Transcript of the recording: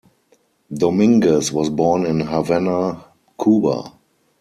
Dominguez was born in Havana, Cuba.